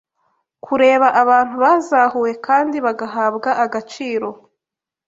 kureba abantu bazahuwe kandi bagahabwa agaciro